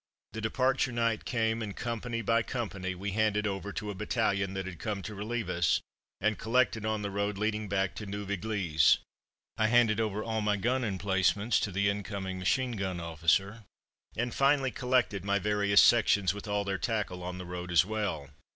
The departure night came, and company by company we handed over to a battalion that had come to relieve us, and collected on the road leading back to Neuve Eglise. I handed over all my gun emplacements to the incoming machine gun officer, and finally collected my various sections with all their tackle on the road as well.